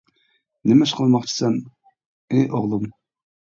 نېمە ئىش قىلماقچى سەن؟ -ئى ئوغلۇم!